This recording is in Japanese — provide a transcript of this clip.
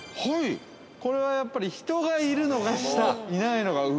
これはやっぱり人がいるのが下、いないのが上。